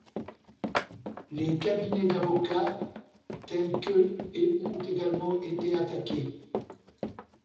Les cabinets d'avocats tels que et ont également été attaqués.